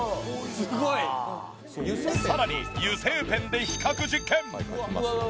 さらに油性ペンで比較実験。